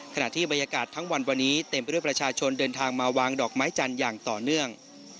ขณะที่บรรยากาศทั้งวันวันนี้เต็มไปด้วยประชาชนเดินทางมาวางดอกไม้จันทร์อย่างต่อเนื่อง